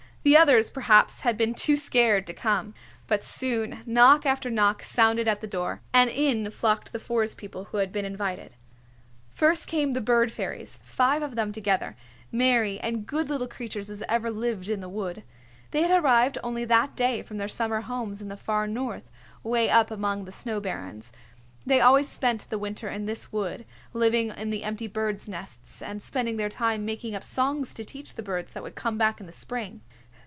The others perhaps had been too scared to come. But soon knock after knock sounded at the door, and in flocked the Forest People who had been invited. First came the Bird Fairies, five of them together, merry and good little creatures as ever lived in the wood. They had arrived only that day from their summer homes in the far north, 'way up among the snow barrens. They always spent the winter in this wood, living in the empty birds' nests and spending their time making up songs to teach the birds that would come back in the spring.